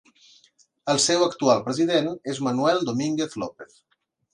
El seu actual president és Manuel Domínguez López.